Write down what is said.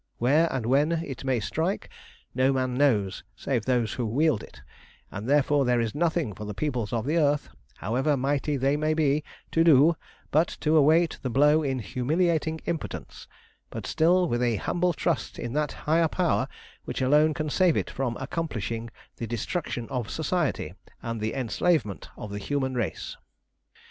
Where and when it may strike, no man knows save those who wield it, and therefore there is nothing for the peoples of the earth, however mighty they may be, to do but to await the blow in humiliating impotence, but still with a humble trust in that Higher Power which alone can save it from accomplishing the destruction of Society and the enslavement of the human race."